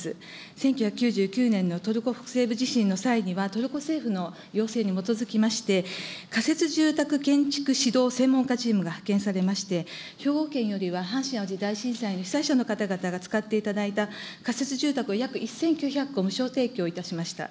１９９９年のトルコ西部地震の際には、トルコ政府の要請に基づきまして、仮設住宅建築指導専門家チームが派遣されまして、兵庫県よりは阪神・淡路大震災の被災者の方々が使っていただいた仮設住宅約１９００戸を無償提供いたしました。